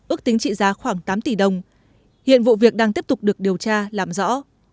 ước tính trị giá khoảng tám tỷ đồng hiện vụ việc đang tiếp tục được điều tra làm rõ